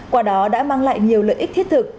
qua đó đã mang lại nhiều lợi ích thiết thực